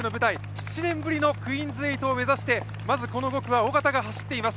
７年ぶりのクイーンズ８を目指して、まずこの５区は尾方が走っています。